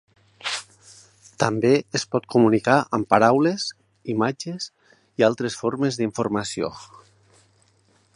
També es pot comunicar amb paraules, imatges, i altres formes d'informació.